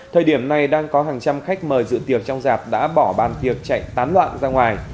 thời điểm này đang có hàng trăm khách mời dự tiệc trong dạp đã bỏ bàn việc chạy tán loạn ra ngoài